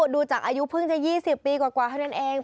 ดูจากอายุเพิ่งจะ๒๐ปีกว่าเท่านั้นเอง